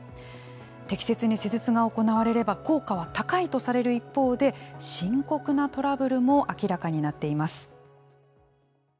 適切に施術が行われれば効果は高いとされる一方で深刻なトラブルも明らかになっています。